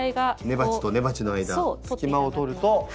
根鉢と根鉢の間隙間を取ると。